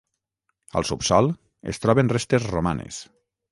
Al subsòl es troben restes romanes.